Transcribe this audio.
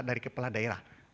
dari kepala daerah